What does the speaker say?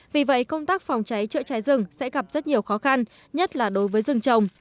vì vậy công tác phòng cháy chữa cháy rừng sẽ gặp rất nhiều khó khăn nhất là đối với rừng trồng